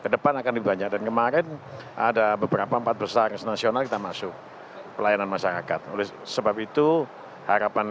dari kabupaten kota sejawa timur